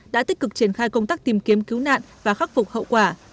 đã tích cực triển khai công tác tìm kiếm cứu nạn và khắc phục hậu quả